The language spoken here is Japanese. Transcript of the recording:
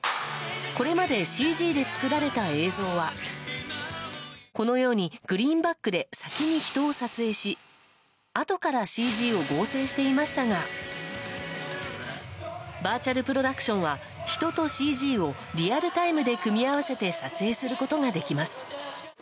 これまでＣＧで作られた映像はこのようにグリーンバックで先に人を撮影しあとからＣＧを合成していましたがバーチャルプロダクションは人とＣＧをリアルタイムで組み合わせて撮影することができます。